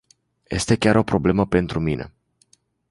Este chiar o problemă pentru mine.